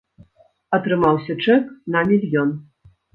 Атрымаўся чэк на мільён!